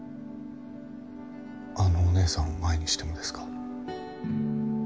あのお姉さんを前にしてもですか？